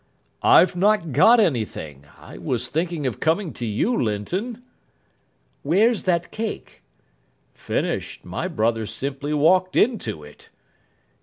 "I've not got anything. I was thinking of coming to you, Linton." "Where's that cake?" "Finished. My brother simply walked into it."